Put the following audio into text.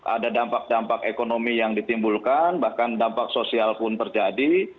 ada dampak dampak ekonomi yang ditimbulkan bahkan dampak sosial pun terjadi